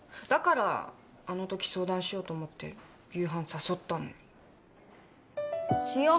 だからあのとき相談しようと思って夕飯誘ったのに。